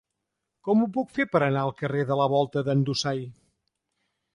Com ho puc fer per anar al carrer de la Volta d'en Dusai?